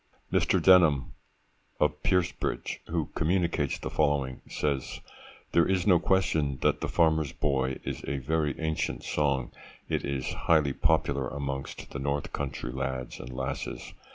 [MR. DENHAM of Piersbridge, who communicates the following, says—'there is no question that the Farmer's Boy is a very ancient song; it is highly popular amongst the north country lads and lasses.